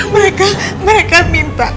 mereka mereka minta